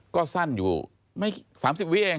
ก็สั้นอยู่ไม่๓๐วิเอง